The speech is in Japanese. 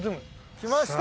きました！